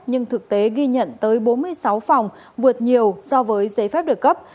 nhưng thực tế ghi nhận tới bốn mươi sáu phòng vượt nhiều so với giấy phép được cấp